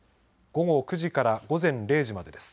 午後９時から午前０時までです。